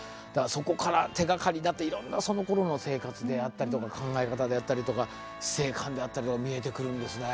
そこから手がかりになっていろんなそのころの生活であったりとか考え方であったりとか死生観であったりとか見えてくるんですね。